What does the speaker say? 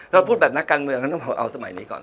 ถ้าพูดแบบนักการเมืองก็ต้องเอาสมัยนี้ก่อน